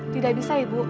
tidak bisa ibu